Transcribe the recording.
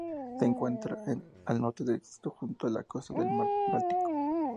Se encuentra al norte del distrito, junto a la costa del mar Báltico.